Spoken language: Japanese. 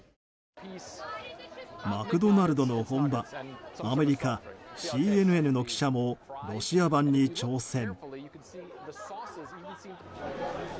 マクドナルドの本場アメリカＣＮＮの記者もロシア版に挑戦。